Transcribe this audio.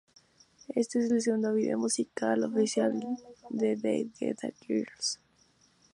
Éste es el segundo vídeo musical oficial de The Cheetah Girls.